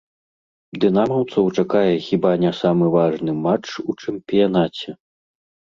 Дынамаўцаў чакае хіба не самы важны матч у чэмпіянаце.